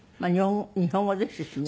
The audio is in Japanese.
日本語ですしね。